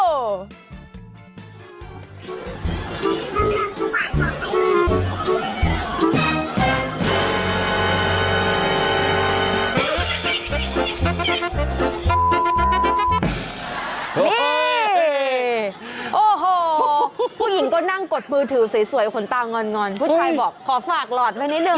โอ้โหผู้หญิงก็นั่งกดมือถือสวยขนตางอนผู้ชายบอกขอฝากหลอดไว้นิดนึ